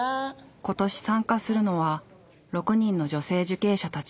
今年参加するのは６人の女性受刑者たち。